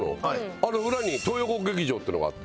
あの裏に東横劇場っていうのがあって。